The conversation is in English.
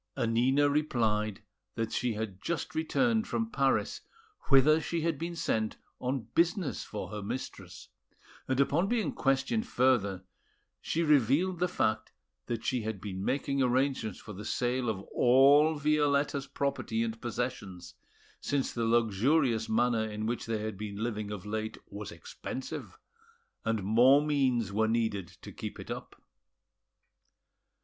Annina replied that she had just returned from Paris, whither she had been sent on business for her mistress; and upon being questioned further, she revealed the fact that she had been making arrangements for the sale of all Violetta's property and possessions, since the luxurious manner in which they had been living of late was expensive, and more means were needed to keep it up.